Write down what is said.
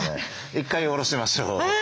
１回下ろしましょうね。